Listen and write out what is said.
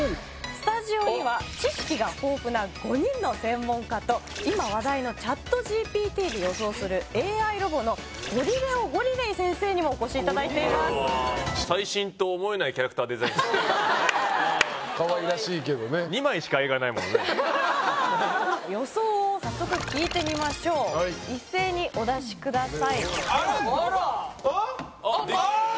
スタジオには知識が豊富な５人の専門家と今話題のＣｈａｔＧＰＴで予想するＡＩロボのゴリレオ＝ゴリレイ先生にもお越しいただいていますかわいらしいけどね予想を早速聞いてみましょう一斉にお出しくださいあーっ！